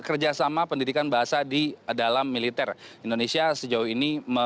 kerjasama pendidikan bahasa di dalam militer indonesia sejauh ini